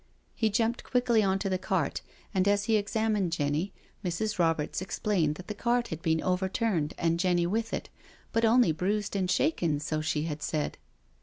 He jumped quickly on to the cart, and as he ex amined Jenny, Mrs. Roberts explained that the cart had been overturned and Jenny with it, but only bruised and shaken, so she had said.